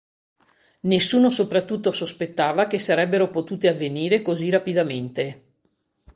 Nessuno soprattutto sospettava che sarebbero potute avvenire così rapidamente.